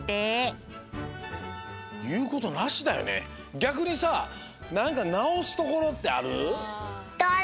ぎゃくにさなんかなおすところってある？